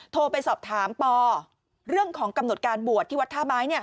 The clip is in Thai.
โทรไปสอบถามปอเรื่องของกำหนดการบวชที่วัดท่าไม้